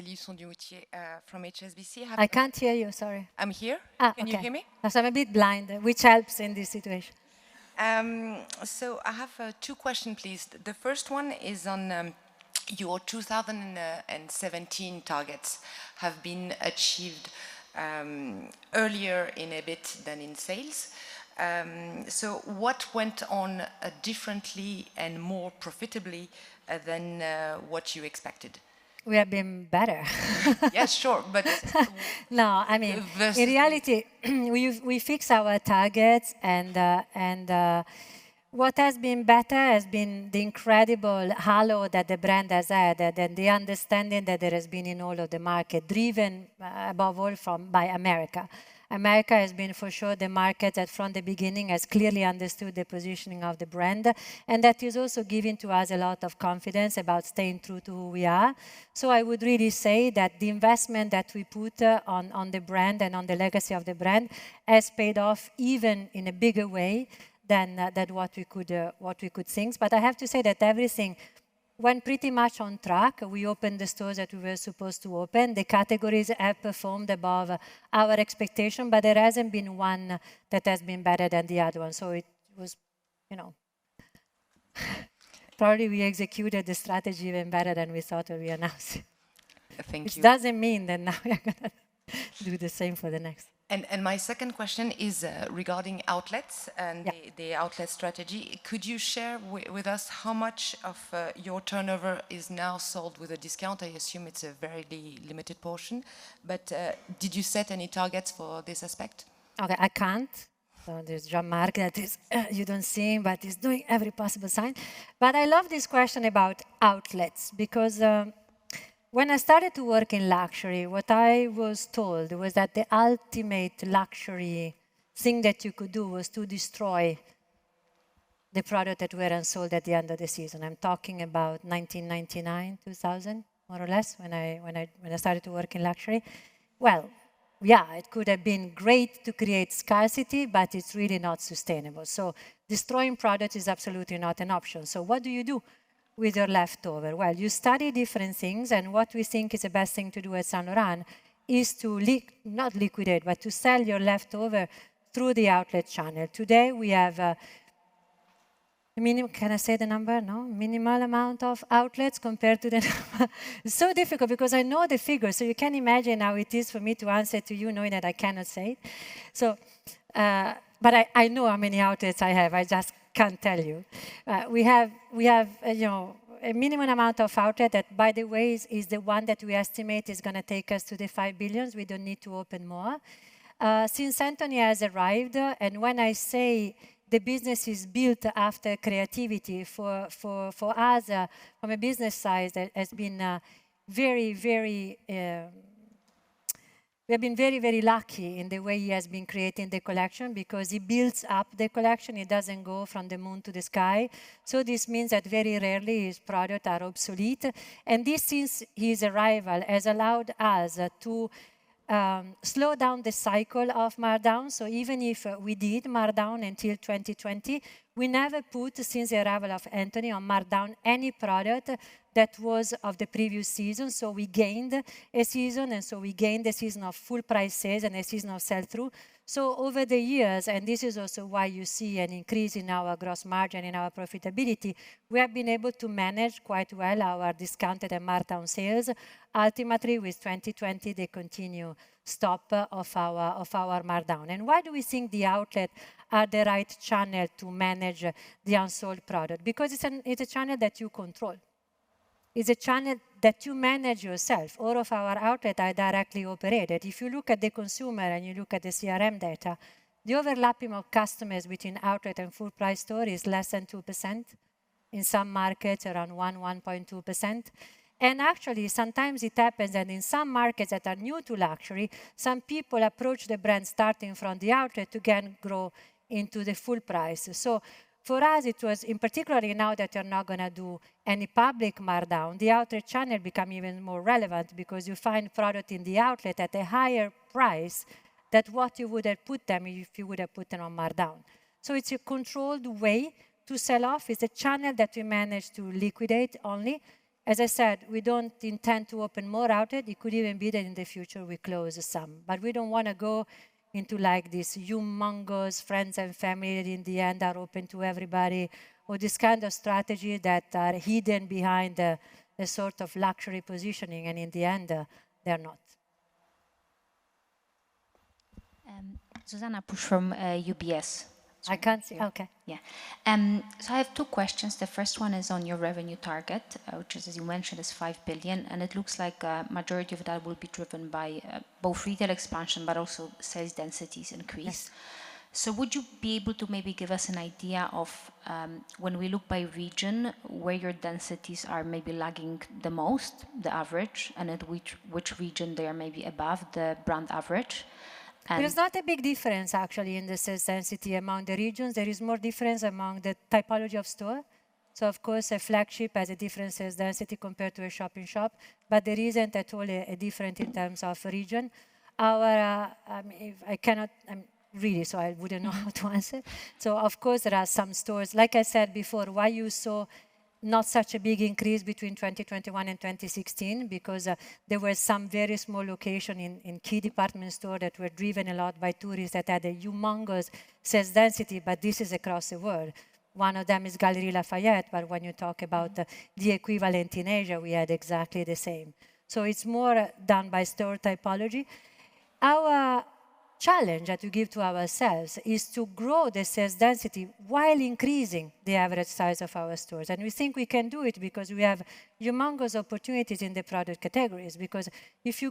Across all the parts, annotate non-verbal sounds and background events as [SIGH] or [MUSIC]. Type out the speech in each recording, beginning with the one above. Hello. Hi. Anne-Laure Bismuth from HSBC. I can't hear you. Sorry. I'm here. Okay. Can you hear me? Yes, I'm a bit blind, which helps in this situation. I have two questions, please. The first one is on your 2017 targets have been achieved earlier than expected in sales. What went on differently and more profitably than what you expected? We have been better. Yes, sure. No, I mean. Versus. In reality, we fixed our targets, and what has been better has been the incredible halo that the brand has had, and the understanding that there has been in all of the market, driven above all by America. America has been for sure the market that from the beginning has clearly understood the positioning of the brand, and that has also given to us a lot of confidence about staying true to who we are. I would really say that the investment that we put on the brand and on the legacy of the brand has paid off even in a bigger way than what we could think. I have to say that everything went pretty much on track. We opened the stores that we were supposed to open. The categories have performed above our expectation, but there hasn't been one that has been better than the other one, so it was, you know. Probably we executed the strategy even better than we thought or we announced. Thank you. Which doesn't mean that now we are gonna do the same for the next. My second question is, regarding outlets and the outlet strategy. Could you share with us how much of your turnover is now sold with a discount? I assume it's a very limited portion. Did you set any targets for this aspect? Okay, I can't. There's Jean-Marc that is, you don't see him, but he's doing every possible sign. I love this question about outlets because when I started to work in luxury, what I was told was that the ultimate luxury thing that you could do was to destroy the product that were unsold at the end of the season. I'm talking about 1999, 2000, more or less, when I started to work in luxury. Well, yeah, it could have been great to create scarcity, but it's really not sustainable. Destroying product is absolutely not an option. What do you do with your leftover? Well, you study different things, and what we think is the best thing to do at Saint Laurent is to not liquidate, but to sell your leftover through the outlet channel. Today, we have a minimal amount of outlets compared to the. It's so difficult because I know the figures, so you can imagine how it is for me to answer to you knowing that I cannot say. I know how many outlets I have. I just can't tell you. We have, you know, a minimal amount of outlets that, by the way, is the one that we estimate is gonna take us to 5 billion. We don't need to open more. Since Anthony has arrived, and when I say the business is built after creativity, for us, from a business side, has been very. We have been very, very lucky in the way he has been creating the collection because he builds up the collection. It doesn't go from the moon to the sky. This means that very rarely his product are obsolete. This, since his arrival, has allowed us to slow down the cycle of markdown. Even if we did markdown until 2020, we never put, since the arrival of Anthony, on markdown any product that was of the previous season. We gained a season, and so we gained a season of full price sales and a season of sell-through. Over the years, and this is also why you see an increase in our gross margin and our profitability, we have been able to manage quite well our discounted and markdown sales. Ultimately, with 2020, the continued stop of our markdown. Why do we think the outlets are the right channel to manage the unsold product? Because it's a channel that you control. It's a channel that you manage yourself. All of our outlets are directly operated. If you look at the consumer and you look at the CRM data, the overlap of customers between outlet and full price store is less than 2%. In some markets, around 1.2%. Actually, sometimes it happens that in some markets that are new to luxury, some people approach the brand starting from the outlet to then grow into the full price. For us it was, in particular now that you're not gonna do any public markdown, the outlet channel becomes even more relevant because you find products in the outlet at a higher price than what you would have put them if you would have put them on markdown. It's a controlled way to sell off. It's a channel that we manage to liquidate only. As I said, we don't intend to open more outlets. It could even be that in the future we close some. We don't wanna go into like this humongous friends and family that in the end are open to everybody, or this kind of strategy that are hidden behind a sort of luxury positioning, and in the end, they're not. Zuzanna Pusz from UBS. I can't see you. I have two questions. The first one is on your revenue target, which as you mentioned is 5 billion, and it looks like majority of that will be driven by both retail expansion, but also sales densities increase. Yes. Would you be able to maybe give us an idea of, when we look by region, where your densities are maybe lagging the most, the average, and at which region they are maybe above the brand average? There is not a big difference actually in the sales density among the regions. There is more difference among the typology of store. Of course, a flagship has a different sales density compared to a shop-in-shop, but there isn't at all a different in terms of region. I'm really sorry. I wouldn't know how to answer. Of course, there are some stores. Like I said before, why you saw not such a big increase big increase between 2021 and 2016 because there were some very small locations in key department stores that were driven a lot by tourists that had a humongous sales density, but this is across the world. One of them is Galeries Lafayette, but when you talk about the equivalent in Asia, we had exactly the same. It's more done by store typology. Our challenge that we give to ourselves is to grow the sales density while increasing the average size of our stores. We think we can do it because we have humongous opportunities in the product categories. If you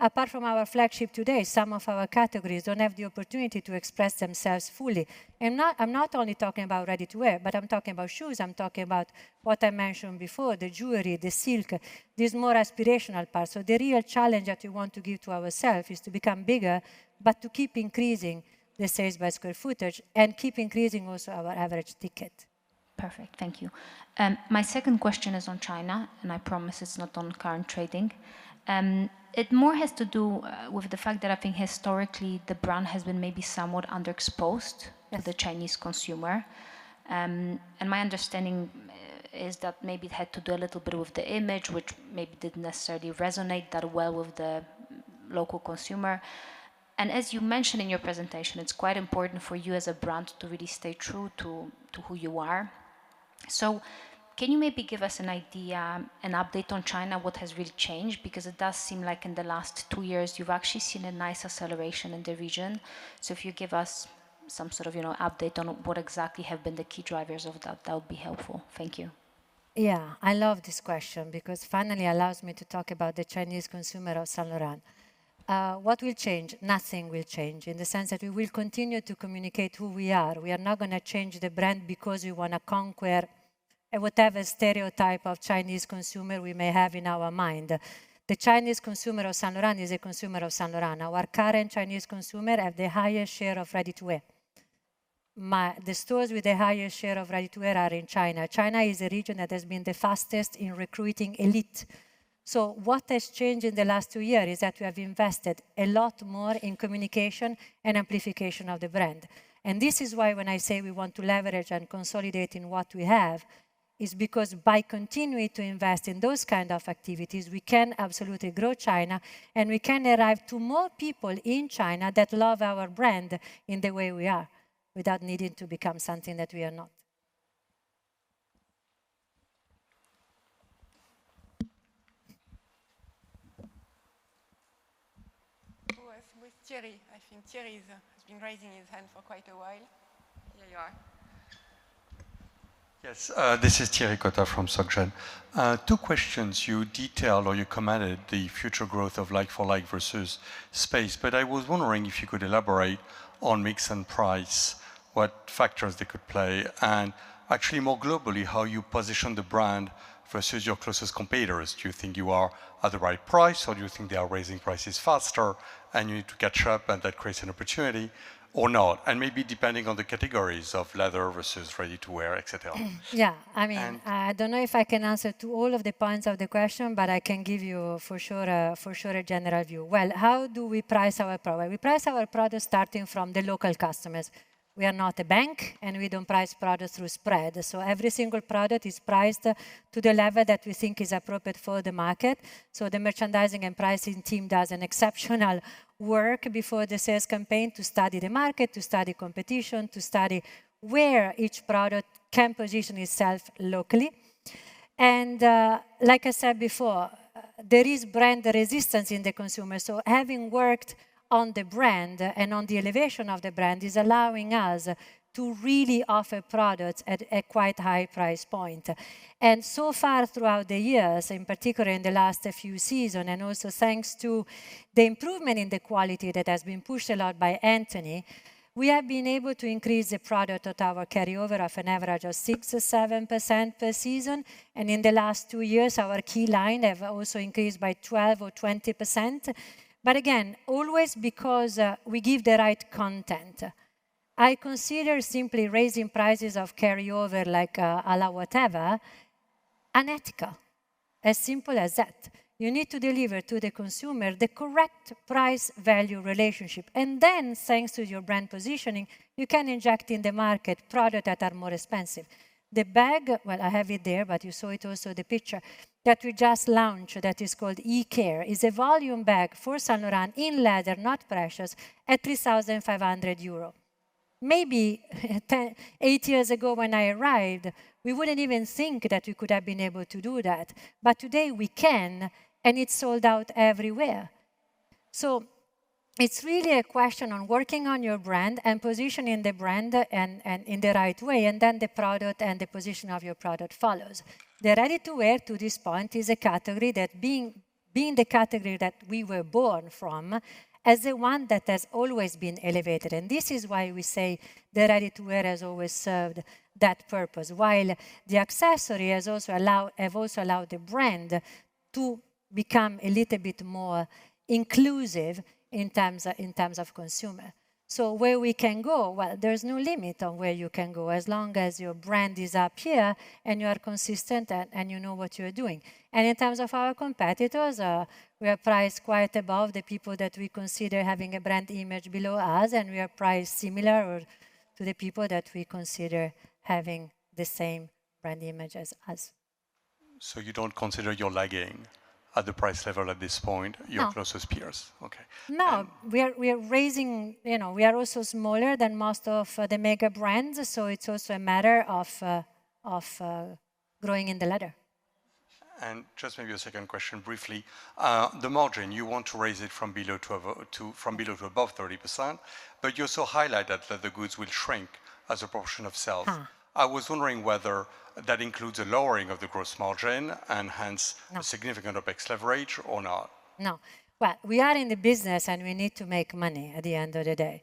apart from our flagship today, some of our categories don't have the opportunity to express themselves fully. I'm not only talking about ready-to-wear, but I'm talking about shoes, I'm talking about what I mentioned before, the jewelry, the silk, these more aspirational parts. The real challenge that we want to give to ourselves is to become bigger, but to keep increasing the sales by square footage and keep increasing also our average ticket. Perfect. Thank you. My second question is on China, and I promise it's not on current trading. It more has to do with the fact that I think historically the brand has been maybe somewhat underexposed to the Chinese consumer. My understanding is that maybe it had to do a little bit with the image, which maybe didn't necessarily resonate that well with the local consumer. As you mentioned in your presentation, it's quite important for you as a brand to really stay true to who you are. Can you maybe give us an idea, an update on China, what has really changed? Because it does seem like in the last two years you've actually seen a nice acceleration in the region. If you give us some sort of, you know, update on what exactly have been the key drivers of that would be helpful. Thank you. Yeah. I love this question because finally allows me to talk about the Chinese consumer of Saint Laurent. What will change? Nothing will change in the sense that we will continue to communicate who we are. We are not gonna change the brand because we wanna conquer whatever stereotype of Chinese consumer we may have in our mind. The Chinese consumer of Saint Laurent is a consumer of Saint Laurent. Our current Chinese consumer have the highest share of ready-to-wear. The stores with the highest share of ready-to-wear are in China. China is a region that has been the fastest in recruiting elite. What has changed in the last two years is that we have invested a lot more in communication and amplification of the brand. This is why when I say we want to leverage and consolidate in what we have, is because by continuing to invest in those kind of activities, we can absolutely grow China and we can arrive to more people in China that love our brand in the way we are, without needing to become something that we are not. Who was with Thierry? I think Thierry has been raising his hand for quite a while. Here you are. Yes. This is Thierry Cota from SocGen. Two questions. You detailed or you commented the future growth of like-for-like versus space, but I was wondering if you could elaborate on mix and price, what factors they could play, and actually more globally, how you position the brand versus your closest competitors. Do you think you are at the right price, or do you think they are raising prices faster and you need to catch up and that creates an opportunity or not? Maybe depending on the categories of leather versus ready-to-wear, et cetera. Yeah. And [CROSSTALK] I mean, I don't know if I can answer to all of the points of the question, but I can give you for sure a general view. Well, how do we price our product? We price our product starting from the local customers. We are not a bank, and we don't price product through spread. So every single product is priced to the level that we think is appropriate for the market. So the merchandising and pricing team does an exceptional work before the sales campaign to study the market, to study competition, to study where each product can position itself locally. Like I said before, there is brand resistance in the consumer. So having worked on the brand and on the elevation of the brand is allowing us to really offer products at a quite high price point. So far throughout the years, in particular in the last few seasons, and also thanks to the improvement in the quality that has been pushed a lot by Anthony, we have been able to increase the price of our carryover by an average of 6%-7% per season. In the last two years, our key line have also increased by 12% or 20%. But again, always because we give the right content. I consider simply raising prices of carryover like à la whatever, unethical. As simple as that. You need to deliver to the consumer the correct price-value relationship. Then, thanks to your brand positioning, you can inject in the market products that are more expensive. The bag, well, I have it there, but you saw it also the picture, that we just launched that is called Icare, is a volume bag for Saint Laurent in leather, not precious, at 3,500 euro. Maybe eight years ago when I arrived, we wouldn't even think that we could have been able to do that. Today we can, and it's sold out everywhere. It's really a question on working on your brand and positioning the brand and in the right way, and then the product and the position of your product follows. The ready-to-wear to this point is a category that being the category that we were born from, as the one that has always been elevated. This is why we say the ready-to-wear has always served that purpose, while the accessory has also have also allowed the brand to become a little bit more inclusive in terms of consumer. Where we can go? Well, there's no limit on where you can go as long as your brand is up here and you are consistent and you know what you are doing. In terms of our competitors, we are priced quite above the people that we consider having a brand image below us, and we are priced similar or to the people that we consider having the same brand image as us. You don't consider you're lagging at the price level at this point? No. Your closest peers? Okay. No. We are raising. You know, we are also smaller than most of the mega brands, so it's also a matter of growing in the ladder. Just maybe a second question briefly. The margin, you want to raise it from below 12% to above 30%, but you also highlighted that the goods will shrink as a portion of sales. I was wondering whether that includes a lowering of the gross margin and hence? No. A significant OpEx leverage or not? No. Well, we are in the business and we need to make money at the end of the day.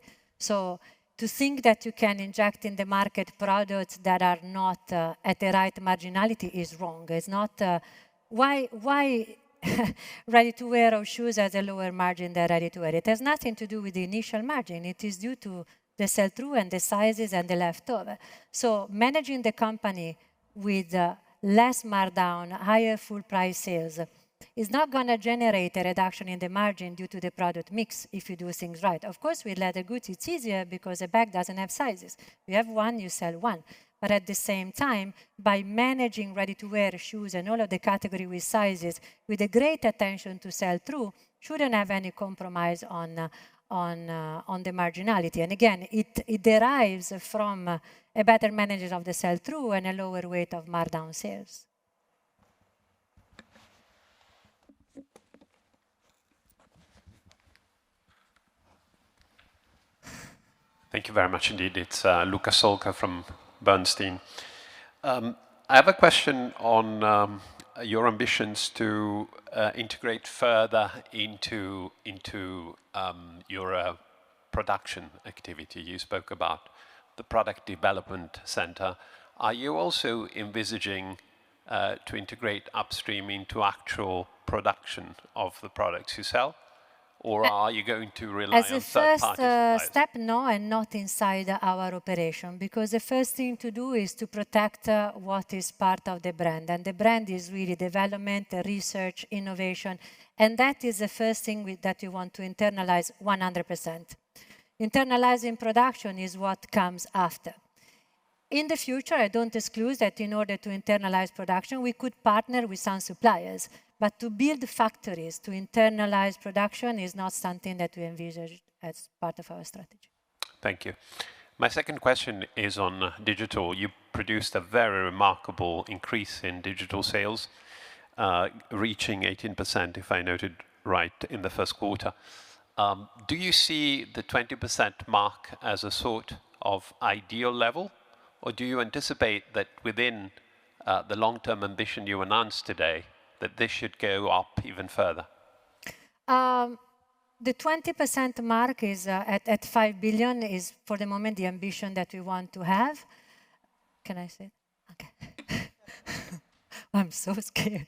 To think that you can inject in the market products that are not at the right marginality is wrong. It's not. Why ready-to-wear or shoes has a lower margin than ready-to-wear? It has nothing to do with the initial margin. It is due to the sell-through and the sizes and the leftover. Managing the company with less markdown, higher full price sales is not gonna generate a reduction in the margin due to the product mix if you do things right. Of course, with leather goods it's easier because a bag doesn't have sizes. You have one, you sell one. At the same time, by managing ready-to-wear shoes and all of the category with sizes, with a great attention to sell-through, shouldn't have any compromise on the marginality. Again, it derives from a better management of the sell-through and a lower weight of markdown sales. Thank you very much indeed. It's Luca Solca from Bernstein. I have a question on your ambitions to integrate further into your production activity. You spoke about the product development center. Are you also envisaging to integrate upstream into actual production of the products you sell? Or are you going to rely on third parties? Not inside our operation, because the first thing to do is to protect what is part of the brand, and the brand is really development, research, innovation, and that is the first thing that we want to internalize 100%. Internalizing production is what comes after. In the future, I don't exclude that in order to internalize production, we could partner with some suppliers. To build factories to internalize production is not something that we envisage as part of our strategy. Thank you. My second question is on digital. You produced a very remarkable increase in digital sales, reaching 18%, if I noted right, in the first quarter. Do you see the 20% mark as a sort of ideal level, or do you anticipate that within the long-term ambition you announced today, that this should go up even further? The 20% mark is at 5 billion is for the moment the ambition that we want to have. Can I see it? Okay. I'm so scared.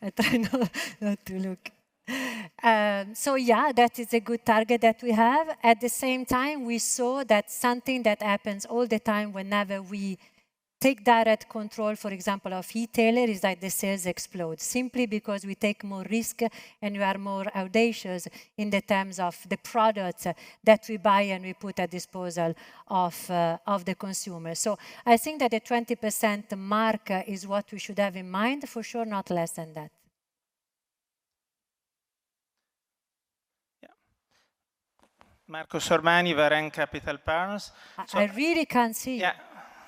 I try not to look. Yeah, that is a good target that we have. At the same time, we saw that something that happens all the time whenever we take direct control, for example, of e-tailer, is that the sales explode simply because we take more risk and we are more audacious in the terms of the products that we buy and we put at disposal of the consumer. I think that the 20% mark is what we should have in mind. For sure, not less than that. Yeah. Marco Sormani, Varenne Capital Partners. I really can't see you. Yeah.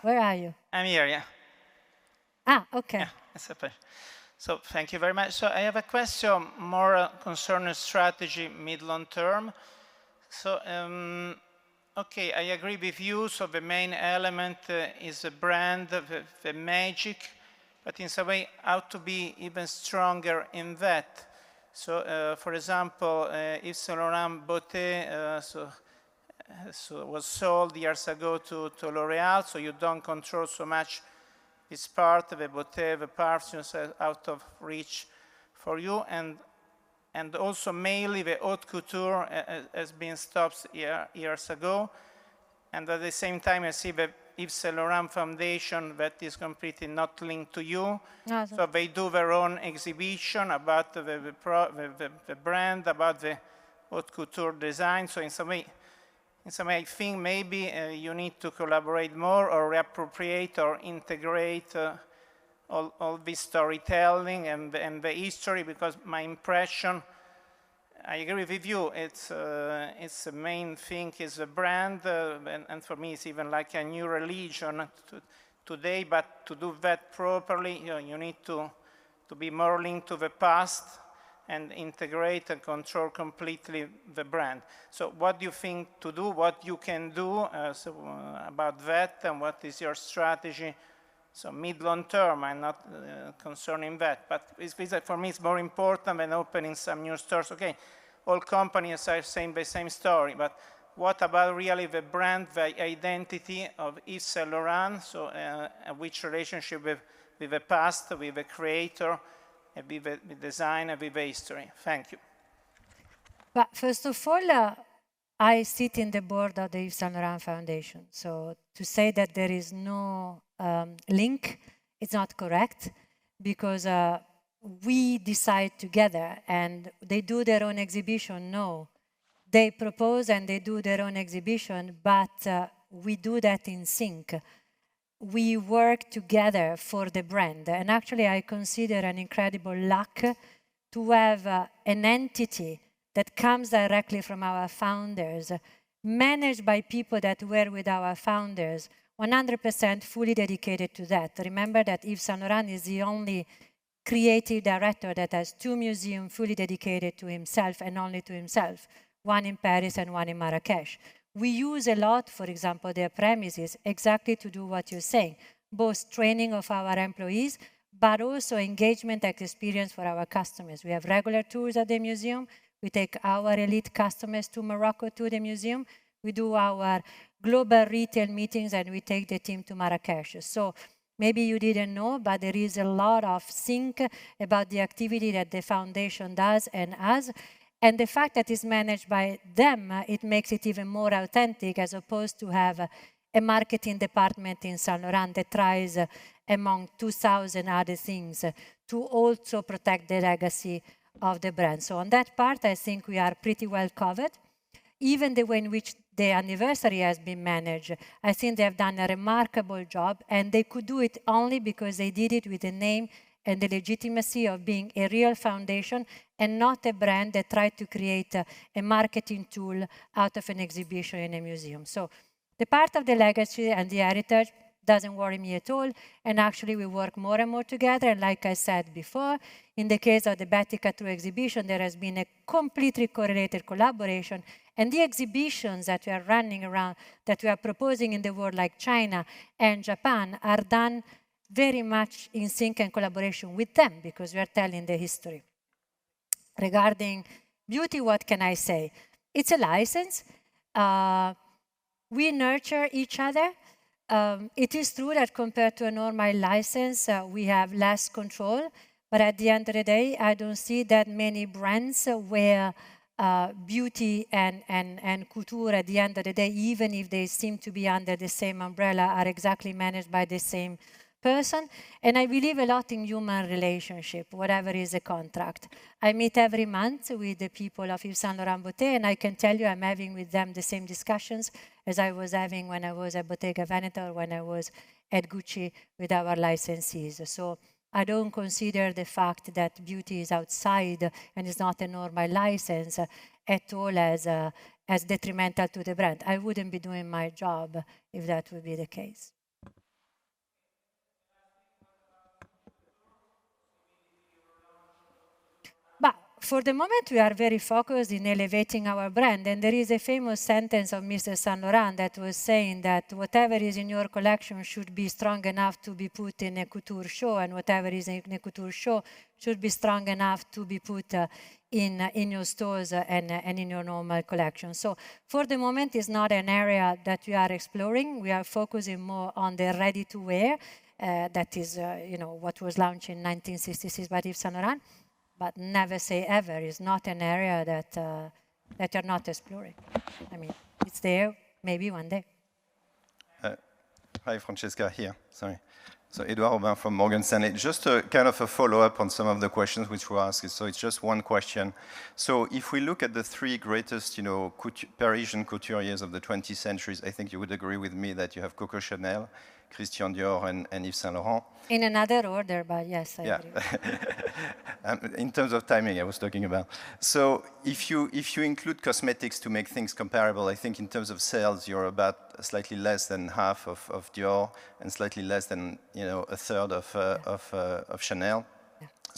Where are you? I'm here, yeah. Okay. Yeah. It's up there. Thank you very much. I have a question more concerning strategy mid, long term. Okay, I agree with you. The main element is the brand, the magic, but in some way how to be even stronger in that. For example, Yves Saint Laurent Beaute was sold years ago to L'Oreal, so you don't control so much this part. The beauty, the parts, you said, out of reach for you. Also mainly the haute couture has been stopped years ago. At the same time, I see the Yves Saint Laurent Foundation that is completely not linked to you. No. They do their own exhibition about the brand, about the haute couture design. In some way I think maybe you need to collaborate more or reappropriate or integrate all this storytelling and the history because my impression, I agree with you, its main thing is the brand. For me it's even like a new religion today, but to do that properly, you know, you need to be more linked to the past and integrate and control completely the brand. What do you think to do? What you can do about that, and what is your strategy? Mid- to long-term, I'm not concerning that, but it's for me it's more important than opening some new stores. Okay. All companies are saying the same story, but what about really the brand, the identity of Yves Saint Laurent, which relationship with the past, with the creator, with the design, with the history? Thank you. Well, first of all, I sit in the board of the Yves Saint Laurent Foundation, so to say that there is no link, it's not correct because we decide together, and they do their own exhibition. They propose and they do their own exhibition, but we do that in sync. We work together for the brand. Actually, I consider an incredible luck to have an entity that comes directly from our founders, managed by people that were with our founders 100% fully dedicated to that. Remember that Yves Saint Laurent is the only creative director that has two museums fully dedicated to himself, and only to himself, one in Paris and one in Marrakesh. We use a lot, for example, their premises exactly to do what you're saying, both training of our employees, but also engagement experience for our customers. We have regular tours at the museum. We take our elite customers to Morocco to the museum. We do our global retail meetings, and we take the team to Marrakesh. Maybe you didn't know, but there is a lot of synergy about the activity that the foundation does and us, and the fact that it's managed by them, it makes it even more authentic, as opposed to have a marketing department in Saint Laurent that tries, among 2,000 other things, to also protect the legacy of the brand. On that part, I think we are pretty well covered. Even the way in which the anniversary has been managed, I think they have done a remarkable job, and they could do it only because they did it with the name and the legitimacy of being a real foundation and not a brand that tried to create a marketing tool out of an exhibition in a museum. The part of the legacy and the heritage doesn't worry me at all, and actually we work more and more together. Like I said before, in the case of the [Babouska] Tour exhibition, there has been a completely correlated collaboration, and the exhibitions that we are running around, that we are proposing in the world, like China and Japan, are done very much in sync and collaboration with them because we are telling the history. Regarding beauty, what can I say? It's a license. We nurture each other. It is true that compared to a normal license, we have less control, but at the end of the day, I don't see that many brands where beauty and couture at the end of the day, even if they seem to be under the same umbrella, are exactly managed by the same person. I believe a lot in human relationship, whatever is the contract. I meet every month with the people of Yves Saint Laurent Beaute, and I can tell you I'm having with them the same discussions as I was having when I was at Bottega Veneta or when I was at Gucci with our licensees. I don't consider the fact that beauty is outside and is not a normal license at all as detrimental to the brand. I wouldn't be doing my job if that would be the case. For the moment, we are very focused in elevating our brand, and there is a famous sentence of Mr. Saint Laurent that was saying that whatever is in your collection should be strong enough to be put in a couture show and whatever is in a couture show should be strong enough to be put in your stores and in your normal collection. For the moment, it's not an area that we are exploring. We are focusing more on the ready-to-wear that is, you know, what was launched in 1966 by Yves Saint Laurent. Never say ever. It's not an area that you're not exploring. I mean, it's there. Maybe one day. Hi, Francesca, here. Sorry. Edouard Aubin from Morgan Stanley. Just a kind of a follow-up on some of the questions which were asked. It's just one question. If we look at the three greatest, you know, Parisian couturiers of the 20th century, I think you would agree with me that you have Coco Chanel, Christian Dior, and Yves Saint Laurent. In another order, but yes, I agree. If you include cosmetics to make things comparable, I think in terms of sales, you're about slightly less than half of Dior and slightly less than, you know, a third of Chanel.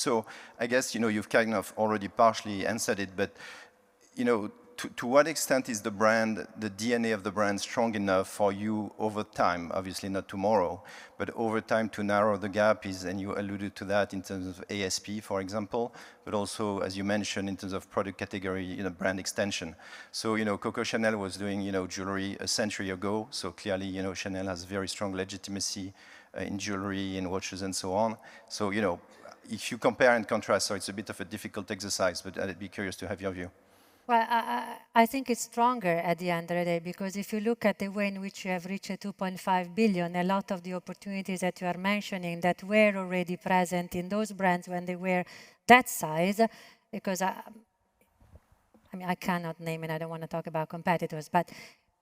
Yeah. I guess, you know, you've kind of already partially answered it, but, you know, to what extent is the brand, the DNA of the brand strong enough for you over time, obviously not tomorrow, but over time to narrow the gap? You alluded to that in terms of ASP, for example, but also, as you mentioned, in terms of product category, you know, brand extension. You know, Coco Chanel was doing, you know, jewelry a century ago, so clearly, you know, Chanel has very strong legitimacy in jewelry, in watches and so on. You know, if you compare and contrast, so it's a bit of a difficult exercise, but I'd be curious to have your view. Well, I think it's stronger at the end of the day because if you look at the way in which we have reached 2.5 billion, a lot of the opportunities that you are mentioning that were already present in those brands when they were that size, because, I mean, I cannot name it, I don't wanna talk about competitors, but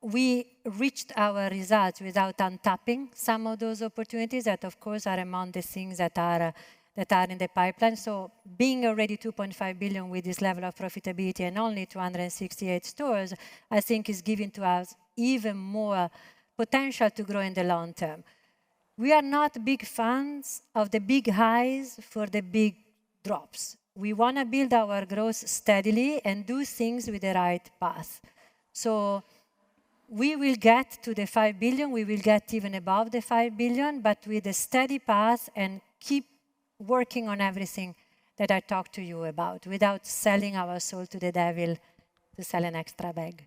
we reached our results without untapping some of those opportunities that of course are among the things that are in the pipeline. So being already 2.5 billion with this level of profitability and only 268 stores, I think is giving to us even more potential to grow in the long term. We are not big fans of the big highs for the big drops. We wanna build our growth steadily and do things with the right path. We will get to the 5 billion, we will get even above the 5 billion, but with a steady path and keep working on everything that I talked to you about without selling our soul to the devil to sell an extra bag.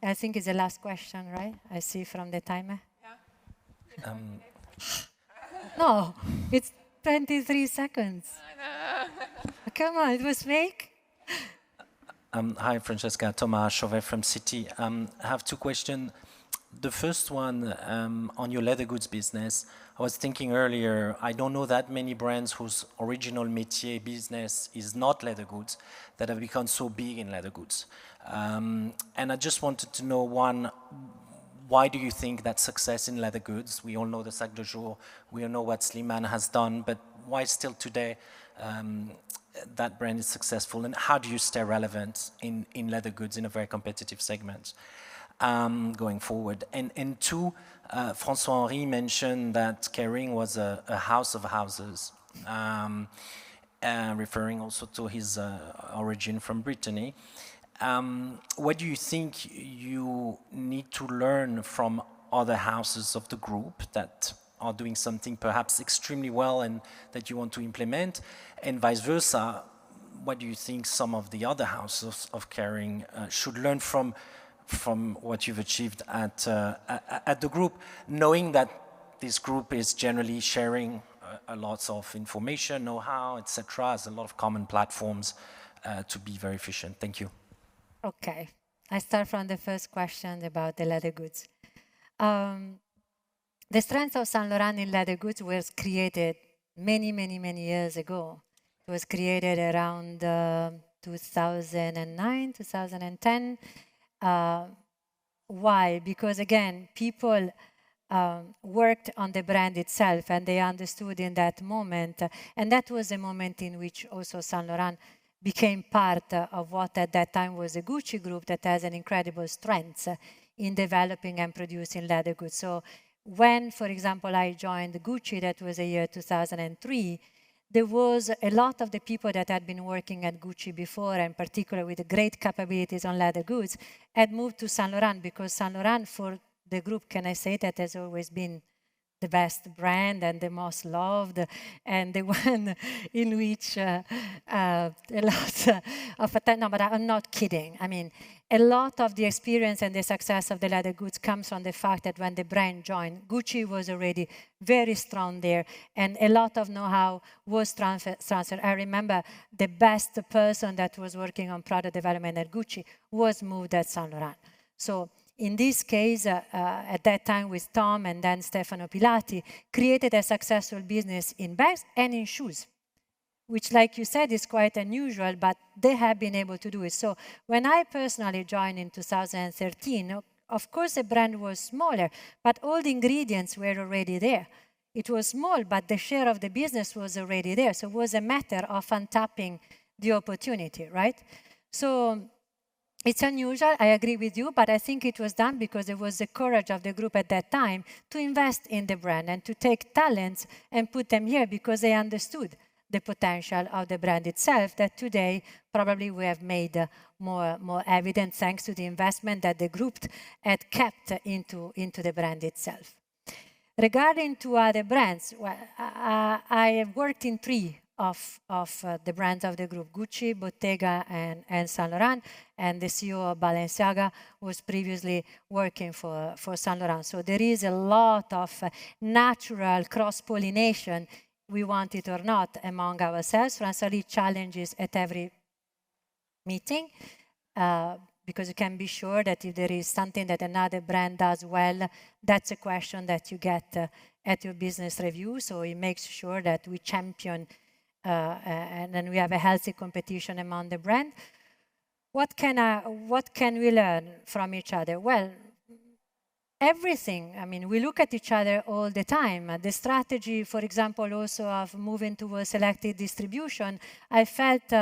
We're taking the next question. I think it's the last question, right? I see from the timer. Yeah. No, it's 23 seconds. I know. Come on, it was fake. Hi, Francesca. Thomas Chauvet from Citi. I have two question. The first one, on your leather goods business, I was thinking earlier, I don't know that many brands whose original metier business is not leather goods that have become so big in leather goods. And I just wanted to know, one, why do you think that success in leather goods, we all know the Sac de Jour, we all know what Slimane has done, but why still today, that brand is successful, and how do you stay relevant in leather goods in a very competitive segment, going forward? And two, Francois-Henri mentioned that Kering was a house of houses, referring also to his origin from Brittany. What do you think you need to learn from other houses of the group that are doing something perhaps extremely well and that you want to implement? Vice versa, what do you think some of the other houses of Kering should learn from what you've achieved at the group, knowing that this group is generally sharing lots of information, know-how, et cetera, has a lot of common platforms to be very efficient? Thank you. Okay. I start from the first question about the leather goods. The strength of Saint Laurent in leather goods was created many years ago. It was created around 2009, 2010. Why? Because again, people worked on the brand itself, and they understood in that moment, and that was a moment in which also Saint Laurent became part of what at that time was a Gucci Group that has an incredible strength in developing and producing leather goods. When, for example, I joined Gucci, that was the year 2003, there was a lot of the people that had been working at Gucci before, and particularly with great capabilities on leather goods, had moved to Saint Laurent because Saint Laurent for the group, can I say, that has always been the best brand and the most loved, and the one in which a lot of the experience and the success of the leather goods comes from the fact that when the brand joined, Gucci was already very strong there, and a lot of know-how was transferred. I remember the best person that was working on product development at Gucci was moved to Saint Laurent. In this case, at that time with Tom and then Stefano Pilati, created a successful business in bags and in shoes, which like you said, is quite unusual, but they have been able to do it. When I personally joined in 2013, of course the brand was smaller, but all the ingredients were already there. It was small, but the share of the business was already there, so it was a matter of untapping the opportunity, right? It's unusual, I agree with you, but I think it was done because it was the courage of the group at that time to invest in the brand and to take talents and put them here because they understood the potential of the brand itself that today probably we have made more evident thanks to the investment that the group had kept into the brand itself. Regarding to other brands, well, I have worked in three of the brands of the group, Gucci, Bottega, and Saint Laurent, and the CEO of Balenciaga was previously working for Saint Laurent. There is a lot of natural cross-pollination, we want it or not, among ourselves. Francois-Henri challenges at every meeting, because you can be sure that if there is something that another brand does well, that's a question that you get at your business review. He makes sure that we champion and we have a healthy competition among the brand. What can we learn from each other? Well, everything. I mean, we look at each other all the time. The strategy, for example, also of moving towards selected distribution, I felt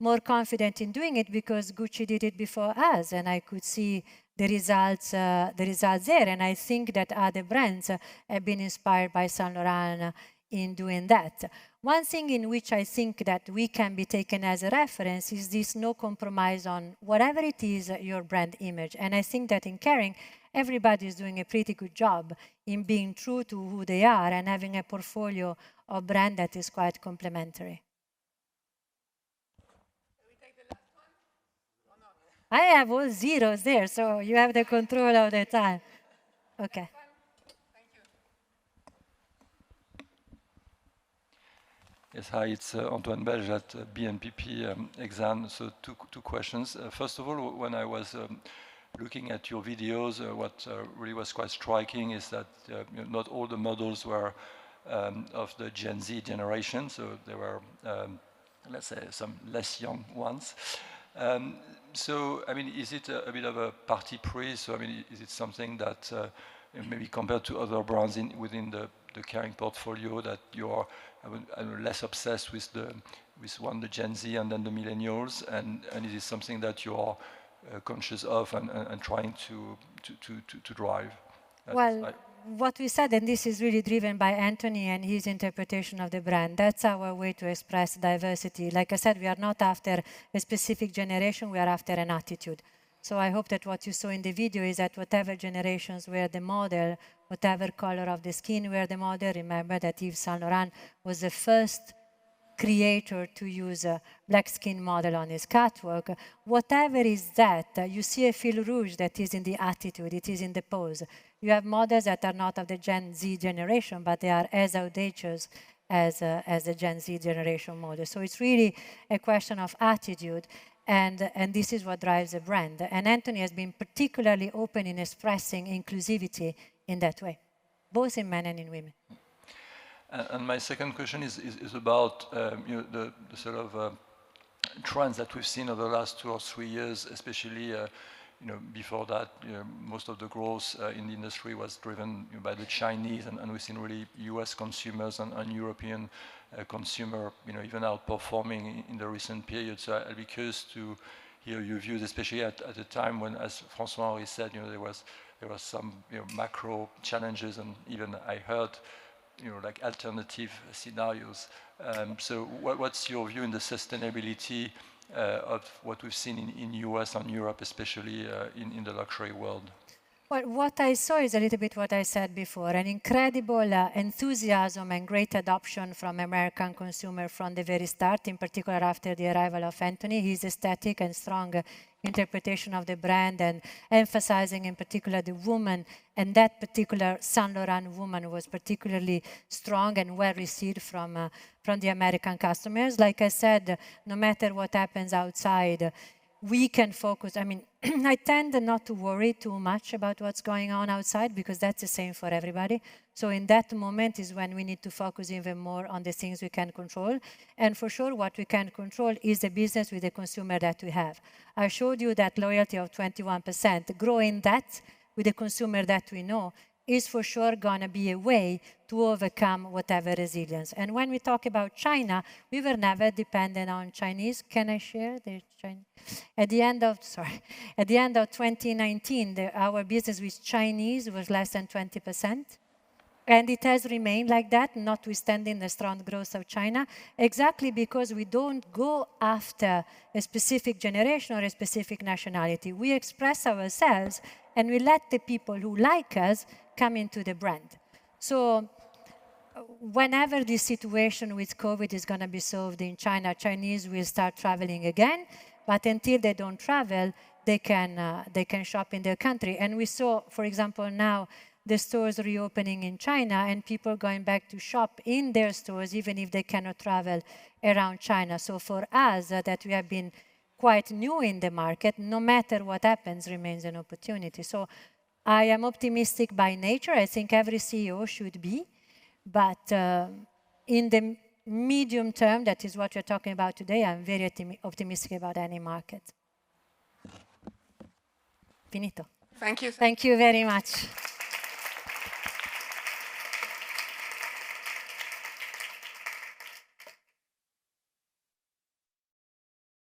more confident in doing it because Gucci did it before us, and I could see the results there. I think that other brands have been inspired by Saint Laurent in doing that. One thing in which I think that we can be taken as a reference is this no compromise on whatever it is your brand image. I think that in Kering, everybody's doing a pretty good job in being true to who they are and having a portfolio of brand that is quite complementary. Can we take the last one? I have all zeros there, so you have the control of the time. Okay. Yes. Hi. It's Antoine Belge at BNP Exane. Two questions. First of all, when I was looking at your videos, what really was quite striking is that not all the models were of the Gen Z generation. There were, let's say, some less young ones. I mean, is it a bit of a parti pris? I mean, is it something that maybe compared to other brands within the Kering portfolio that you are, I mean, less obsessed with the Gen Z and then the Millennials, and it is something that you are conscious of and trying to drive at this point? Well, what we said, and this is really driven by Anthony and his interpretation of the brand, that's our way to express diversity. Like I said, we are not after a specific generation, we are after an attitude. I hope that what you saw in the video is that whatever generations were the model, whatever color of the skin were the model, remember that Yves Saint Laurent was the first creator to use a black skin model on his catwalk. Whatever is that, you see a fil rouge that is in the attitude, it is in the pose. You have models that are not of the Gen Z generation, but they are as audacious as as the Gen Z generation models. It's really a question of attitude, and this is what drives a brand. Anthony has been particularly open in expressing inclusivity in that way, both in men and in women. My second question is about, you know, the sort of trends that we've seen over the last two or three years especially. You know, before that, you know, most of the growth in the industry was driven by the Chinese, and we've seen really U.S. Consumers and European consumer, you know, even outperforming in the recent period. I'd be curious to hear your views, especially at a time when, as Francois-Henri said, you know, there was some, you know, macro challenges and even I heard, you know, like alternative scenarios. What’s your view on the sustainability of what we've seen in U.S. and Europe especially in the luxury world? Well, what I saw is a little bit what I said before, an incredible enthusiasm and great adoption from American consumer from the very start, in particular after the arrival of Anthony, his aesthetic and strong interpretation of the brand and emphasizing in particular the woman, and that particular Saint Laurent woman was particularly strong and well-received from the American customers. Like I said, no matter what happens outside, we can focus. I mean, I tend not to worry too much about what's going on outside because that's the same for everybody. In that moment is when we need to focus even more on the things we can control, and for sure what we can control is the business with the consumer that we have. I showed you that loyalty of 21%, growing that with the consumer that we know is for sure gonna be a way to overcome whatever resilience. When we talk about China, we were never dependent on Chinese. At the end of 2019, our business with Chinese was less than 20%, and it has remained like that notwithstanding the strong growth of China, exactly because we don't go after a specific generation or a specific nationality. We express ourselves, and we let the people who like us come into the brand. Whenever the situation with COVID is gonna be solved in China, Chinese will start traveling again. Until they don't travel, they can shop in their country. We saw, for example, now the stores reopening in China and people going back to shop in their stores even if they cannot travel around China. For us, that we have been quite new in the market, no matter what happens remains an opportunity. I am optimistic by nature. I think every CEO should be. In the medium term, that is what you're talking about today, I'm very optimistic about any market. Finito. Thank you. Thank you very much.